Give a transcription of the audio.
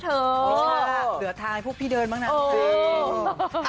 ใช่ล่ะเผื่อทางให้พวกพี่เดินบ้างนะ